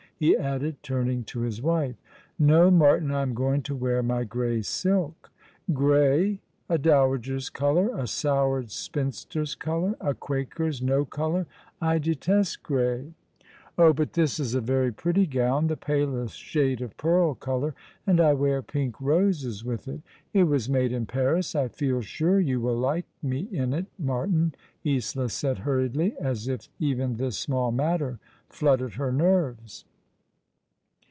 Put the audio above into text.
" he added, turning to his wife. '•' No, Martin, I am going to wear my grey silk." " Grey 1 A dowager's colour, a soured spinster's colour— a Quaker's no colour. I detest grey." '* Lies NotJiijig buried long ago f " 117 " Oh, but this is a very pretty gown — the palest shade of pearl colour— and I wear pink roses with it. It was made in Paris. I feel sure you will like me in it, Martin," Isola said hurriedly, as if even this small matter fluttered her nerves.